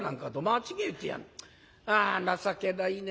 あ情けないね。